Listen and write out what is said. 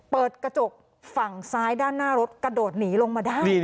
เปิดกระจกฝั่งซ้ายด้านหน้ารถกระโดดหนีลงมาได้